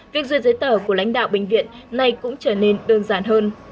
việc duyệt giấy tờ của lãnh đạo bệnh viện nay cũng trở nên đơn giản hơn